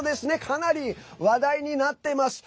かなり、話題になってます。